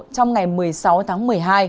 trong ngày một mươi sáu tháng một mươi hai